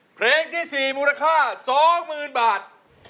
เพลงที่๔มูลค่า๒๐๐๐บาท